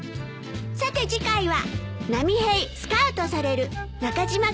さて次回は。